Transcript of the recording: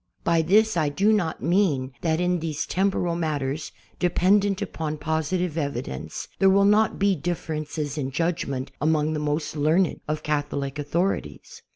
Hy this I do not mean that in these temporal matters, dependent upon positive evidence, there will not he dilTerences in judgment among the most learned of Catholic authorities.